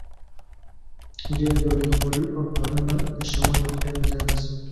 ډېره ډوډۍ خوړل او تالونه تشول روغتیا ته زیان رسوي.